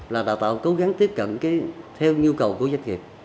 là đào tạo cố gắng tiếp cận theo nhu cầu của doanh nghiệp